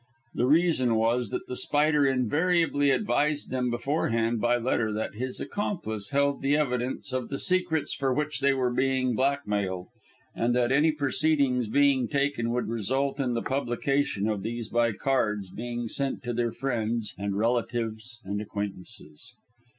The reason was that The Spider invariably advised them beforehand by letter that his accomplice held the evidence of the secrets for which they were being blackmailed, and that any proceedings being taken would result in the publication of these by cards being sent to their friends and relatives and acquaintances.